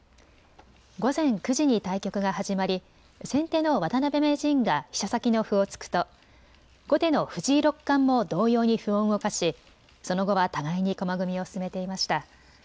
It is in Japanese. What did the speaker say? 午前９時に対局が始まり先手の渡辺名人が飛車先の歩を突くと後手の藤井六冠も同様に歩を動かし、その後は互いに駒組みを進めていました。